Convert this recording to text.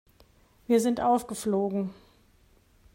Wir sind aufgeflogen.